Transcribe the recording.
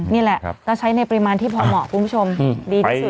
นี่แหละแล้วใช้ในปริมาณที่พอเหมาะคุณผู้ชมดีที่สุด